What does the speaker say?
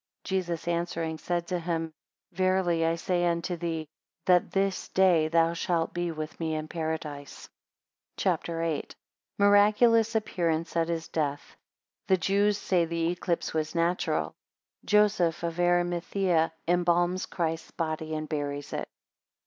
13 Jesus answering, said to him, Verily I say unto thee, that this day thou shalt be with me in Paradise. CHAPTER VIII. 1 Miraculous appearance at his death. 10 The Jews say the eclipse was natural. 12 Joseph of Arimathaea embalms Christ's body and buries it.